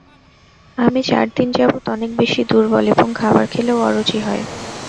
আমি চারদিন যাবৎ অনেক বেশি দুর্বল এবং খাবার খেলেও অরুচি হয়।